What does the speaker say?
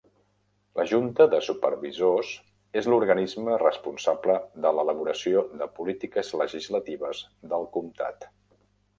La Junta de supervisors és l'organisme responsable de l'elaboració de polítiques legislatives del comtat.